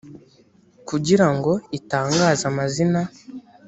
kugirango itangaze amazina